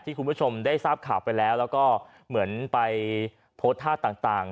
คุณผู้ชมได้ทราบข่าวไปแล้วแล้วก็เหมือนไปโพสต์ท่าต่าง